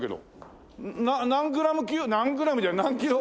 何グラム級？何グラムじゃない。